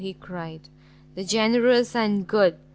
he cried, "the generous and good!